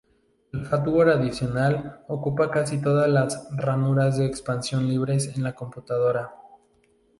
El hardware adicional ocupa casi todas las ranuras de expansión libres en la computadora.